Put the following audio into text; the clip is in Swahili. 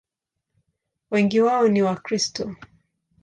Wengi wao ni Wakristo.